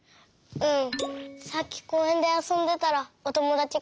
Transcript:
うん。